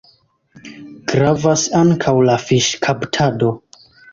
Gravas ankaŭ la fiŝkaptado.